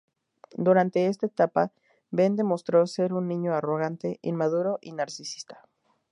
Durante esta etapa, Ben demostró ser un niño arrogante, inmaduro y narcisista.